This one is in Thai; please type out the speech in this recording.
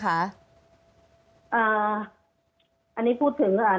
อันดับที่สุดท้าย